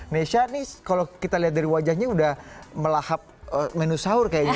nesha nih kalau kita lihat dari wajahnya udah melahap menu sahur kayaknya